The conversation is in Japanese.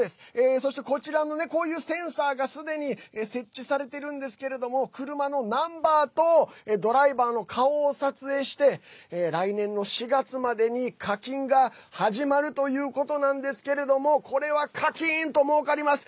そして、こういうセンサーがすでに設置されてるんですけど車のナンバーとドライバーの顔を撮影して来年の４月までに課金が始まるということなんですけれどもこれはカキーンともうかります。